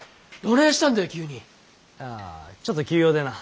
あちょっと急用でな。